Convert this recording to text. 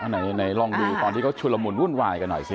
ไหนลองดูตอนที่เขาชุลมุนวุ่นวายกันหน่อยสิ